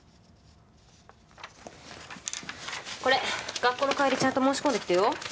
これ学校の帰りちゃんと申し込んできてよ。